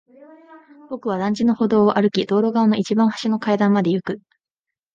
僕は団地の歩道を歩き、道路側の一番端の階段まで行く。